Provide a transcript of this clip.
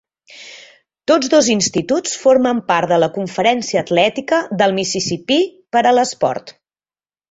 Tots dos instituts formen part de la Conferència Atlètica del Mississipí per a l'esport.